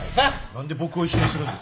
何で僕を一緒にするんですか。